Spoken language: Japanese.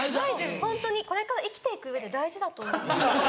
ホントにこれから生きていく上で大事だと思う。